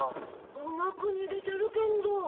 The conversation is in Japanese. うまくにげてるけんど。